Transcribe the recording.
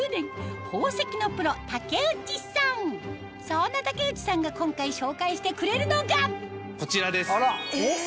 そんな竹内さんが今回紹介してくれるのがこちらです。